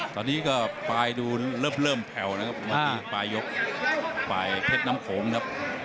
ตอนนี้ก็ปลายดูเริ่มแผ่วนะครับมาที่ปลายยกฝ่ายเพชรน้ำโขงครับ